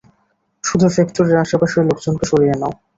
শুধু ফ্যাক্টরির আশেপাশের লোকজনকে স্যরিয়ে নাও।